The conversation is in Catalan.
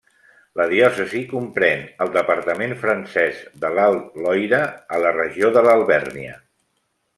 La diòcesi comprèn el departament francès de l'Alt Loira, a la regió de l'Alvèrnia.